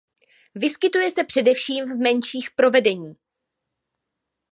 Vyskytuje se především v menších provedení.